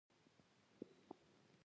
د شوګیراو د محفل څراغ دې ستا وي